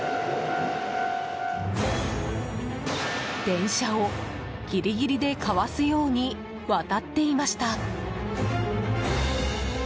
電車をギリギリでかわすように渡っていました。